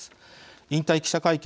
引退記者会見